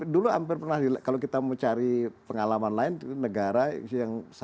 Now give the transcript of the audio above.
dulu hampir pernah kalau kita mau cari pengalaman lain negara yang sama itu adalah india